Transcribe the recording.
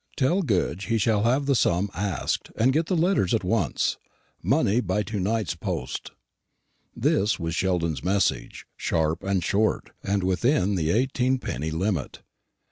"Tell Goodge he shall have the sum asked, and get the letters at once. Money by to night's post." This was Sheldon's message; sharp and short, and within the eighteen penny limit.